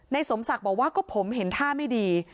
สมศักดิ์บอกว่าก็ผมเห็นท่าไม่ดี